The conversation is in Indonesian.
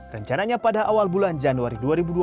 rencananya pada awal bulan januari dua ribu dua puluh